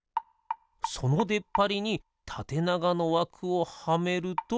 そのでっぱりにたてながのわくをはめると。